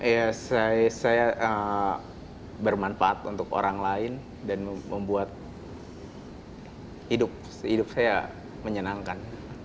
ya saya bermanfaat untuk orang lain dan membuat hidup saya menyenangkan